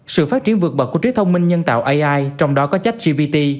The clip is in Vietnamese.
sự phát triển vượt bậc của trí thông minh nhân tạo ai trong đó có chat gbt